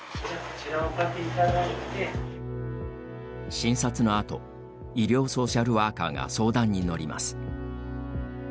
診察のあと医療ソーシャルワーカーが相談に乗ります。